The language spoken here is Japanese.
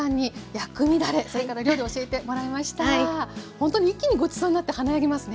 ほんとに一気にごちそうになって華やぎますね。